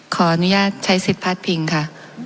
ขออนุญาตใช้ศิษย์พาร์ทเทพิงค่ะ